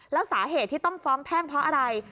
แล้วสาเหตุที่ต้องฟ้องแพ่งเพราะอะไร